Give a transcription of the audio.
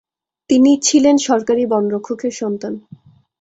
তিনি ছিলেন সরকারি বনরক্ষকের সন্তান।